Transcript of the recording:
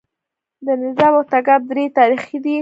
د نجراب او تګاب درې تاریخي دي